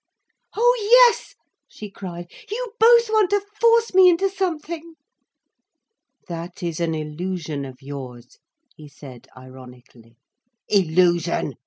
"Oh yes," she cried. "You both want to force me into something." "That is an illusion of yours," he said ironically. "Illusion!"